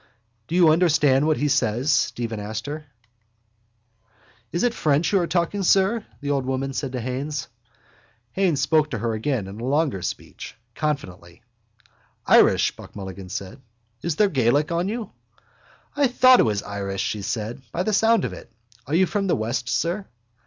—Do you understand what he says? Stephen asked her. —Is it French you are talking, sir? the old woman said to Haines. Haines spoke to her again a longer speech, confidently. —Irish, Buck Mulligan said. Is there Gaelic on you? —I thought it was Irish, she said, by the sound of it. Are you from the west, sir?